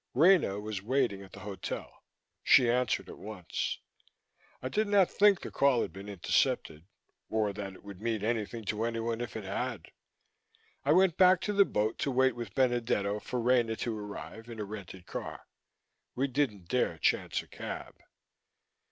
Rena was waiting at the hotel. She answered at once. I did not think the call had been intercepted or that it would mean anything to anyone if it had. I went back to the boat to wait with Benedetto for Rena to arrive, in a rented car. We didn't dare chance a cab.